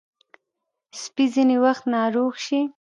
سپي ځینې وخت ناروغ شي.